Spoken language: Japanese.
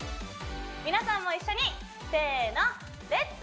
皆さんも一緒にせーの「レッツ！